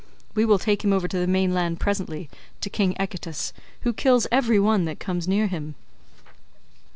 We will take him over to the mainland presently, to king Echetus, who kills every one that comes near him."